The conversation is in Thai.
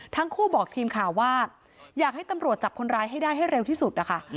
ทั้งคู่บอกทีมข่าวว่าอยากให้ตำรวจจับคนร้ายให้ได้ให้เร็วที่สุดนะคะ